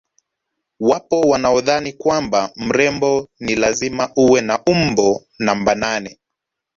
Wapo wanaodhani kwamba mrembo ni lazima uwe na umbo namba nane